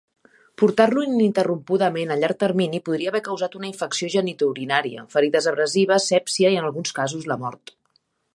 Portar-lo ininterrompudament a llarg termini podria haver causat una infecció genitourinària, ferides abrasives, sèpsia i, en alguns casos, la mort.